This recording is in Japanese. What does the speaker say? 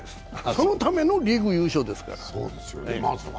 そのためのリーグ優勝ですから。